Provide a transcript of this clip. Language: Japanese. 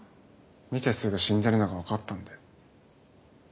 見てすぐ死んでるのが分かったんで。